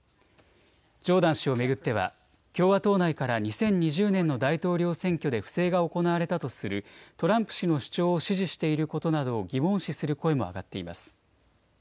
ジョーダン氏を巡っては共和党内から２０２０年の大統領選挙で不正が行われたとするトランプ氏の主張を支持していることなどを疑問視する声も上がっています。